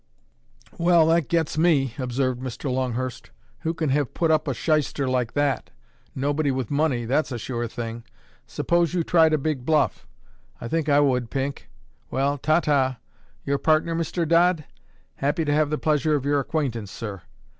"Well, that gets me!" observed Mr. Longhurst. "Who can have put up a shyster like that? Nobody with money, that's a sure thing. Suppose you tried a big bluff? I think I would, Pink. Well, ta ta! Your partner, Mr. Dodd? Happy to have the pleasure of your acquaintance, sir."